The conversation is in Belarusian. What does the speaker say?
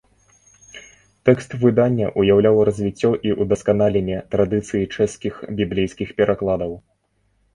Тэкст выдання ўяўляў развіццё і ўдасканаленне традыцыі чэшскіх біблейскіх перакладаў.